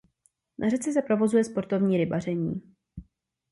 Na řece se provozuje sportovní rybaření.